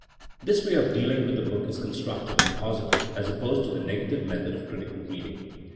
'' This way of dealing with a book is construc tive and positive as opposed to the negative method of critical reading.